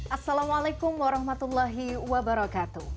assalamualaikum warahmatullahi wabarakatuh